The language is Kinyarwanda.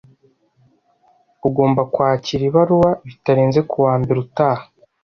Ugomba kwakira ibaruwa bitarenze kuwa mbere utaha.